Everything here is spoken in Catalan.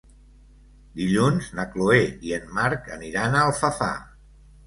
Dilluns na Chloé i en Marc aniran a Alfafar.